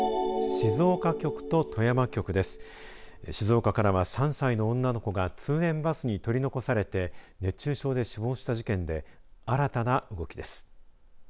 静岡からは３歳の女の子が通園バスに取り残されて熱中症で死亡した事件で新たな動きです。